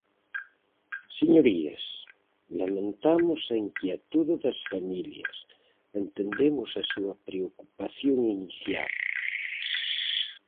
Señorías, lamentamos a inquietude das familias; entendemos a súa preocupación inicial.